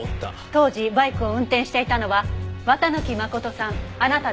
当時バイクを運転していたのは綿貫誠さんあなたです。